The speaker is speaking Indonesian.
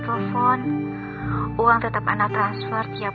telepon uang tetap anak transfer tiap bulan rawat sabrina dengan baik ya kang